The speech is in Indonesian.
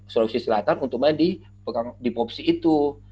sulawesi selatan untuk main di popsi itu